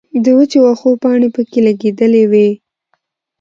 د وچو وښو پانې پکښې لګېدلې وې